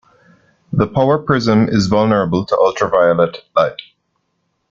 The Power Prism is vulnerable to ultra-violet light.